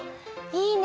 いいね！